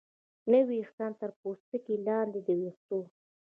نوي ویښتان تر پوستکي لاندې د ویښتو